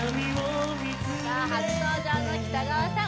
さあ初登場の北川さん